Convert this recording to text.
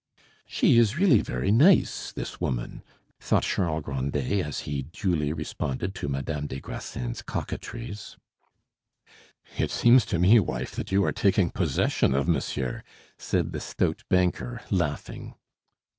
"She is really very nice, this woman," thought Charles Grandet as he duly responded to Madame des Grassins' coquetries. "It seems to me, wife, that you are taking possession of monsieur," said the stout banker, laughing.